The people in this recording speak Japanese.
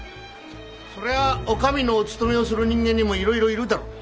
そりゃお上のお務めをする人間にもいろいろいるだろう。